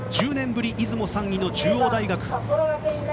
ぶり出雲３位の中央大学。